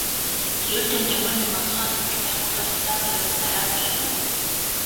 Хэрэв танд ямар нэг онцгой асуудал байхгүй бол утсаа тавиад дараа залгана уу?